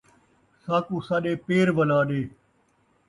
ساکوں ساݙے پیر وَلا ݙے